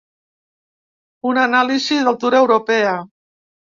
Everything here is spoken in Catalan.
Una anàlisi d’altura europea.